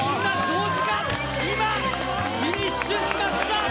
今フィニッシュしました。